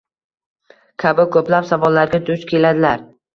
kabi ko‘plab savollarga duch keladilar.